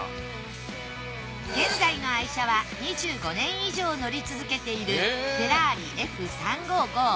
現在の愛車は２５年以上乗り続けているフェラーリＦ３５５。